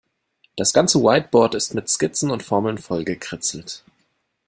Das ganze Whiteboard ist mit Skizzen und Formeln vollgekritzelt.